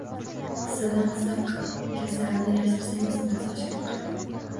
Qissadan hissa: Kasalni yashirsang, isitmasi oshkor qiladi